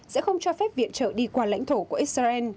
sẽ không cho phép viện trợ đi qua lãnh thổ của israel